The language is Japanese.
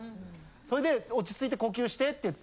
それで「落ち着いて呼吸して」って言って。